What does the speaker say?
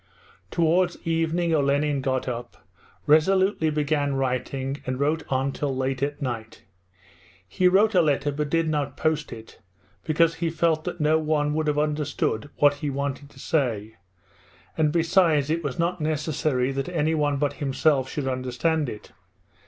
Towards evening Olenin got up, resolutely began writing, and wrote on till late at night. He wrote a letter, but did not post it because he felt that no one would have understood what he wanted to say, and besides it was not necessary that anyone but himself should understand it.